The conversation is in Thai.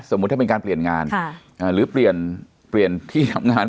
ถ้าเป็นการเปลี่ยนงานหรือเปลี่ยนเปลี่ยนที่ทำงาน